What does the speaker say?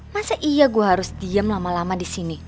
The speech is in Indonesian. masa iya gue harus diam lama lama disini